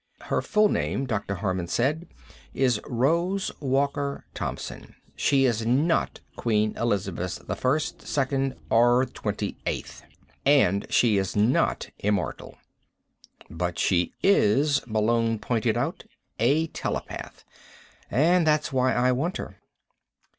"Her full name," Dr. Harman said, "is Rose Walker Thompson. She is not Queen Elizabeth I, II, or XXVIII, and she is not immortal." "But she is," Malone pointed out, "a telepath. And that's why I want her."